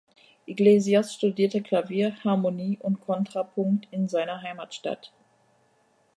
Iglesias studierte Klavier, Harmonie und Kontrapunkt in seiner Heimatstadt.